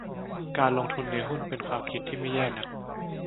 การลงทุนในหุ้น เป็นความคิดที่ไม่แย่นัก